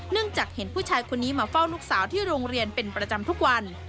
จากเห็นผู้ชายคนนี้มาเฝ้าลูกสาวที่โรงเรียนเป็นประจำทุกวัน